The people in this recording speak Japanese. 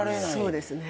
そうですね。